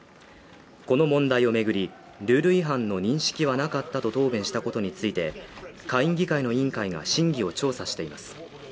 この問題を巡り、ルール違反の認識はなかったと答弁したことについて、下院議会の委員会が真偽を調査しています。